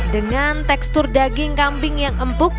dengan tekstur daging kambing yang empuk